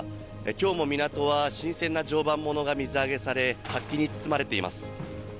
きょうも港は新鮮な常磐ものが水揚げされ、活気に包まれています。